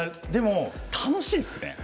楽しいですね。